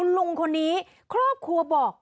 ลุงคนนี้ครอบครัวบอก